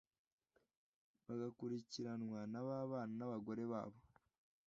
bagakurikiranwa n’ababana n’abagore babo.